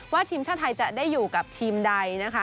ว่าทีมชาวไทยจะได้อยู่กับทีมใด